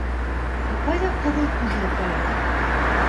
— Ә ҡайҙа ҡыҙыл күҙле таяҡ?